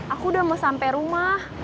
aku udah mau sampai rumah